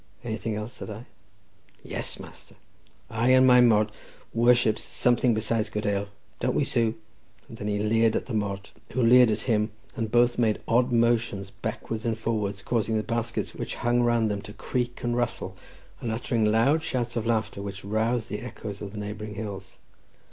"Anything else?" said I. "Yes, master! I and my mort worships something besides good ale; don't we, Sue?" and then he leered at the mort, who leered at him, and both made odd motions backwards and forwards, causing the baskets which hung around them to creak and rustle, and uttering loud shouts of laughter, which roused the echoes of the neighbouring hills.